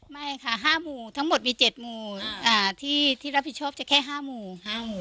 ไม่ค่ะห้าหมู่ทั้งหมดมีเจ็ดหมู่อ่าที่ที่รับผิดชอบจะแค่ห้าหมู่ห้าหมู่